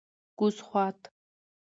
کوز خوات: